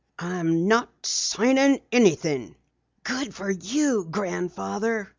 "I'm not signin' anything!" "Good for you, Grandfather!"